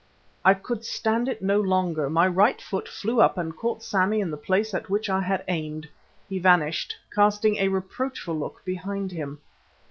I could stand it no longer, my right foot flew up and caught Sammy in the place at which I had aimed. He vanished, casting a reproachful look behind him.